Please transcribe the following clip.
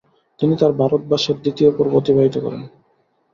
তিনি তার ভারতবাসের দ্বিতীয় পর্ব অতিবাহিত করেন।